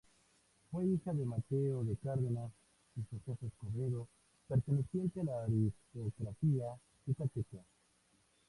Fue hija de Mateo de Cárdenas y Josefa Escobedo, pertenecientes a la aristocracia yucateca.